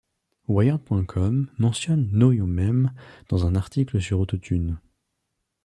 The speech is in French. Wired.com mentionne Know Your Meme dans un article sur Autotune.